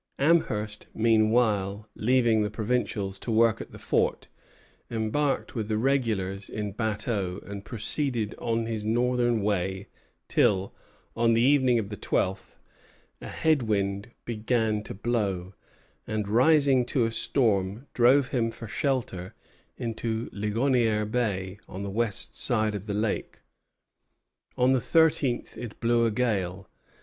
Amherst, meanwhile, leaving the provincials to work at the fort, embarked with the regulars in bateaux, and proceeded on his northern way till, on the evening of the twelfth, a head wind began to blow, and, rising to a storm, drove him for shelter into Ligonier Bay, on the west side of the lake. On the thirteenth, it blew a gale.